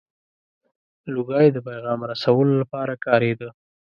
• لوګی د پیغام رسولو لپاره کارېده.